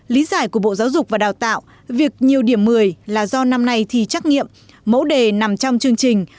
lý giải của bộ giáo dục và đào tạo việc nhiều điểm một mươi là do năm nay thì trắc nghiệm mẫu đề nằm trong chương trình